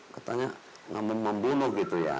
katanya membunuh gitu ya